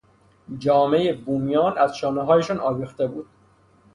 جامهی بومیان از شانههایشان آویخته بود.